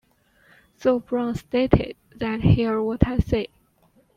Though Brown stated that Hear What I Say!